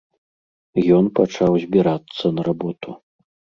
Ён пачаў збірацца на работу.